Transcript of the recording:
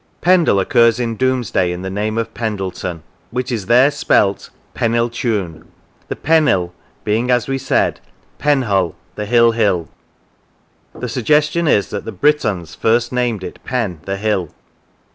Pendle occurs in Domesday in the name of Pendleton, which is there spelt Peniltune; the Penil being, as we said, Penhull, the hill hill. The suggestion is that the Brythons first named it Pen, the hill.